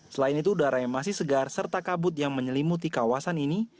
selain itu udara yang masih segar serta kabut yang menyelimuti kawasan ini